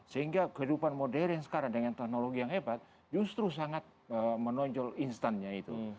sehingga kehidupan modern sekarang dengan teknologi yang hebat justru sangat menonjol instannya itu